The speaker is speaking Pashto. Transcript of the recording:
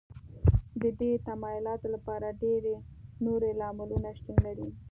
د دې تمایلاتو لپاره ډېری نور لاملونو شتون لري